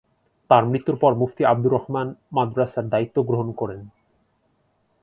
তার মৃত্যুর পর মুফতি আবদুর রহমান মাদ্রাসার দায়িত্ব গ্রহণ করেন।